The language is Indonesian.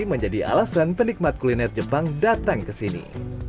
menjadi alasan penikmat kuliner jepang datang ke sini